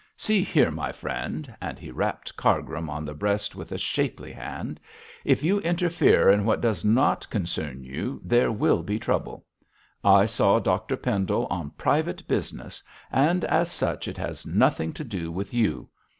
'See here, my friend,' and he rapped Cargrim on the breast with a shapely hand, 'if you interfere in what does not concern you, there will be trouble. I saw Dr Pendle on private business, and as such it has nothing to do with you.